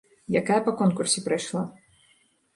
Якая па конкурсе прайшла.